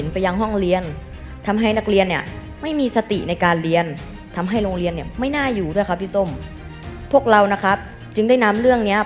พวกเรานะครับจึงได้นำเรื่องเนี้ย